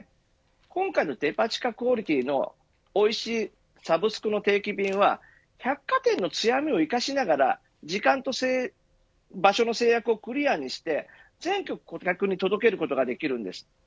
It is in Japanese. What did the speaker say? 今回のデパ地下クオリティのおいしいサブスクの定期便は百貨店の強みを生かしながら時間と場所の制約をクリアして全国の顧客に届けることができます。